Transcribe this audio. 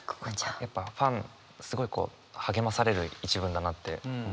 やっぱファンすごい励まされる一文だなって思って。